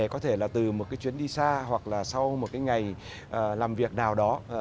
có thể là từ một cái chuyến đi xa hoặc là sau một cái ngày làm việc nào đó